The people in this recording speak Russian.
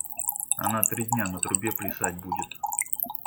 Она три дня на трубе плясать будет.